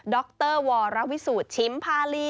ดรวระวิสุทธิ์ชิมภาลี